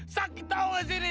sakit tau gak sih ini